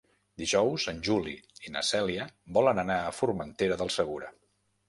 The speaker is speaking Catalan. Dijous en Juli i na Cèlia volen anar a Formentera del Segura.